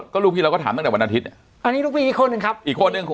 ก็ลูกพี่เราก็ถามตั้งแต่วันอาทิตย์อันนี้ลูกพี่อีกคนหนึ่งครับอีกคนหนึ่ง